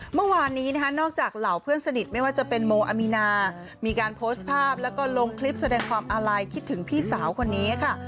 เมื่อวานนี้นะคะนอกจากเหล่าเพื่อนสนิทไม่ว่าจะเป็นโมอามีนามีการโพสต์ภาพแล้วก็ลงคลิปแสดงความอาลัยคิดถึงพี่สาวคนนี้ค่ะ